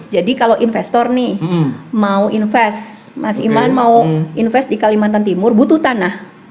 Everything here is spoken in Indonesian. jadi kalau investor nih mau invest mas iman mau invest di kalimantan timur butuh tanah